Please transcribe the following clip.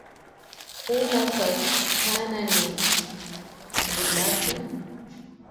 Kula kwa sana ni bulafi